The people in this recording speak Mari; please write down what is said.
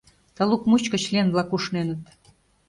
Талук мучко член-влак ушненыт..